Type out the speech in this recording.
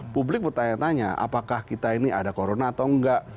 publik bertanya tanya apakah kita ini ada corona atau enggak